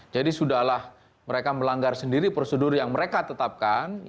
jadi sudahlah mereka melanggar sendiri prosedur yang mereka tetapkan